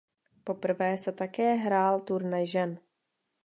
Poprvé se také hrál turnaj žen.